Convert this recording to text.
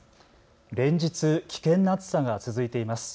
連日、危険な暑さが続いています。